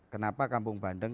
kenapa kampung bandeng